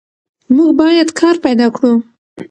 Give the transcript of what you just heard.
موږ باید کار پیدا کړو.